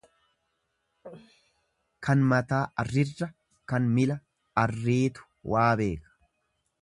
Kan mataa arrirra kan mila arriitu waa beeka.